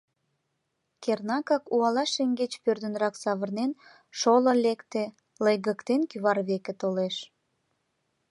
Кернакак, уала шеҥгеч пӧрдынрак савырнен, шоло лекте, лыйгыктен, кӱвар веке толеш.